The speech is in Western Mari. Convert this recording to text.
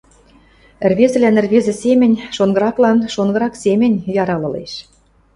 ӹрвезӹлӓн ӹрвезӹ семӹнь, шонгыраклан шонгырак семӹнь ярал ылеш.